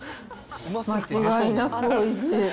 間違いなくおいしい。